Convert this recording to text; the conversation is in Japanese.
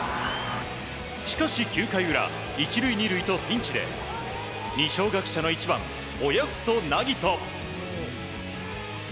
しかし９回裏１塁２塁とピンチで二松学舎の１番、親富祖凪人。